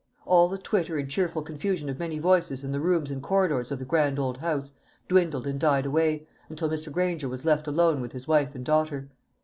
All the twitter and cheerful confusion of many voices in the rooms and corridors of the grand old house dwindled and died away, until Mr. Granger was left alone with his wife and daughter.